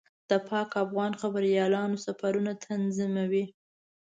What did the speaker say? د پاک افغان خبریالانو سفرونه تنظیموي.